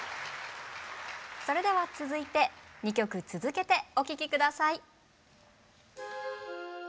それでは続いて２曲続けてお聴き下さい。